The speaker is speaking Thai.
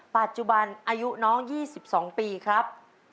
ปัจจุบันอายุน้อง๒๒ปีครับ